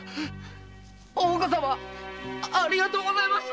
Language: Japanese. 大岡様ありがとうございました。